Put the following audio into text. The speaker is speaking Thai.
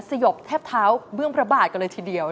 สยบแทบเท้าเบื้องพระบาทกันเลยทีเดียว